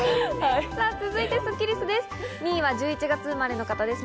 続いてスッキりすです。